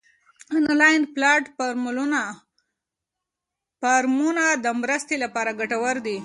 انلاین پلیټ فارمونه د مرستې لپاره ګټور دي.